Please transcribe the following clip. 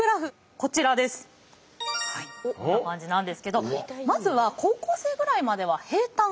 こんな感じなんですけどまずは高校生ぐらいまでは平たん。